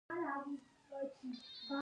سرحدونه د افغانستان د طبیعي زیرمو برخه ده.